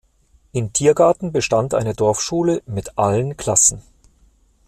In Thiergarten bestand eine Dorfschule mit allen Klassen.